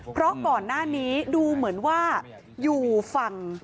เพราะก่อนหน้านี้ดูเหมือนว่าอยู่ฝั่ง